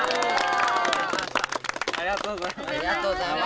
ありがとうございます。